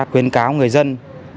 quyên cáo người dân